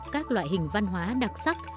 các loại hình văn hóa đặc sắc